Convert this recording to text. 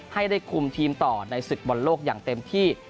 ให้ได้คุมทีมต่อในศึกบอลโลกอย่างเต็มที่